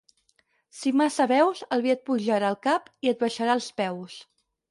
Si massa beus, el vi et pujarà al cap i et baixarà als peus.